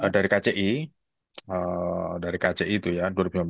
dari kci dari kci itu ya dua ribu sembilan belas